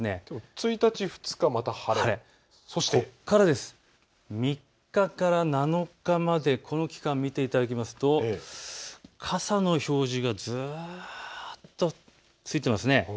１日、２日また晴れ、そして３日から７日までこの期間見ていただきますと傘の表示がずっと続いていますね。